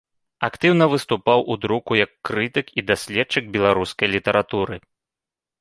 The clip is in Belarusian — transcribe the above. Актыўна выступаў у друку як крытык і даследчык беларускай літаратуры.